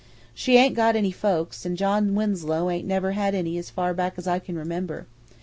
"She ain't got any folks, an' John Winslow ain't never had any as far back as I can remember.